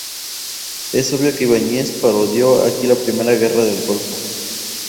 Es obvio que Ibáñez parodió aquí la primera Guerra del Golfo.